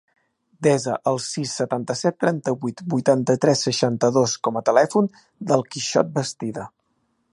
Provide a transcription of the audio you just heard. Desa el sis, setanta-set, trenta-vuit, vuitanta-tres, seixanta-dos com a telèfon del Quixot Bastida.